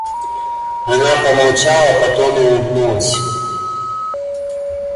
Она помолчала, потом улыбнулась.